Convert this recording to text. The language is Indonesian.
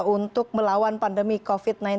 untuk melawan pandemi covid sembilan belas